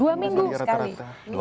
dua minggu rata rata